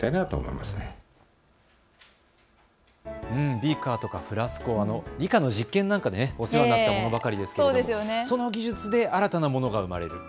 ビーカーとかフラスコ、理科の実験なんかでお世話になったものばかりですが、その技術で新たなものが生まれる。